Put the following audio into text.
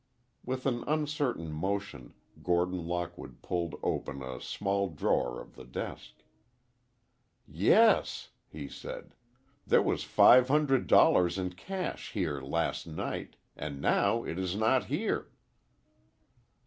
With an uncertain motion, Gordon Lockwood pulled open a small drawer of the desk. "Yes," he said, "there was five hundred dollars in cash here last night—and now it is not here."